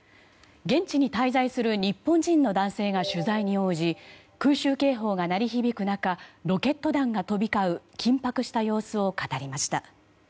現地に滞在する日本人の男性が取材に応じ空襲警報が鳴り響く中ロケット弾が飛び交う緊迫した様子を語りました。